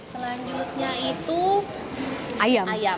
selanjutnya itu ayam